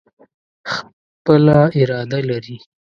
خپله اراده لري.